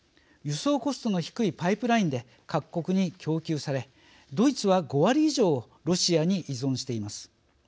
輸送コストの低いパイプラインで各国に供給されドイツは５割以上をロシアに依存しています。